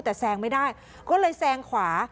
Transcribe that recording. แต่แซงไม่ได้ก็เลยแซงขวา